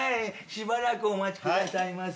しばらくお待ちくださいませね。